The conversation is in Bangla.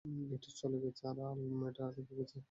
ব্রিটিশ চলে গেছে আর আলমেডা রেখে গেছে।